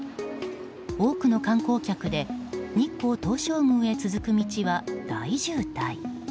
多くの観光客で日光東照宮へ続く道は大渋滞。